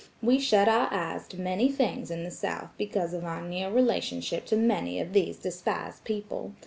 We shut our eyes to many things in the South because of our near relationship to many of these despised people.